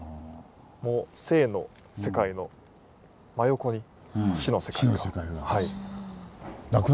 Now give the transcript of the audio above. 生の世界の真横に死の世界が。